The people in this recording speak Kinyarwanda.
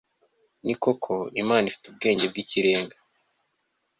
ni koko, imana ifite ubwenge bw'ikirenga